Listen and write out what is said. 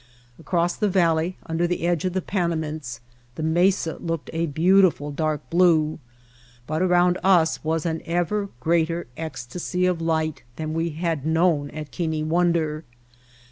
Across the valley under the edge of the Panamints the mesa looked a beautiful dark blue, but around us was an even greater ecstasy of light than we had known at Keane Wonder.